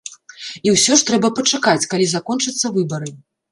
І ўсё ж трэба пачакаць, калі закончацца выбары.